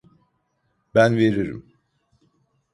Ben veririm.